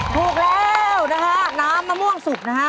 ถูกแล้วนะฮะน้ำมะม่วงสุกนะฮะ